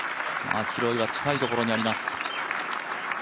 マキロイは近いところになります。